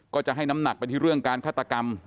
ก็จะให้น้ำหนักไปที่เรื่องการฆาตกรรม